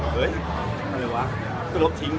ทำยังไงก็ลบทิ้ง